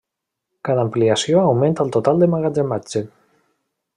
Cada ampliació augmenta el total d'emmagatzematge.